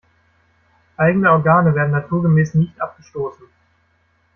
Eigene Organe werden naturgemäß nicht abgestoßen.